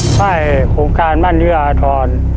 ค่ายโครงการบ้านเอื้ออาทร